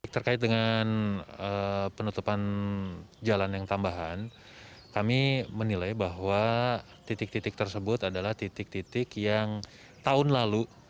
terkait dengan penutupan jalan yang tambahan kami menilai bahwa titik titik tersebut adalah titik titik yang tahun lalu